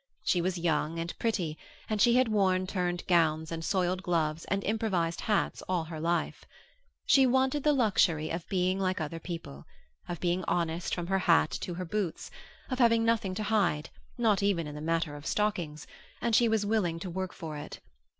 She was young and pretty, and she had worn turned gowns and soiled gloves and improvised hats all her life. She wanted the luxury of being like other people, of being honest from her hat to her boots, of having nothing to hide, not even in the matter of stockings, and she was willing to work for it.